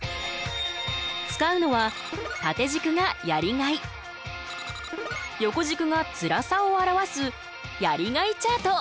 使うのは縦軸がやりがい横軸がつらさを表すやりがいチャート。